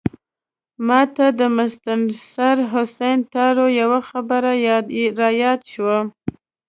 ماته د مستنصر حسین تارړ یوه خبره رایاده شوه.